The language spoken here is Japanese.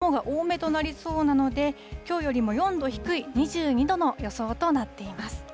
一方で東京は雲が多めとなりそうなので、きょうよりも４度低い２２度の予想となっています。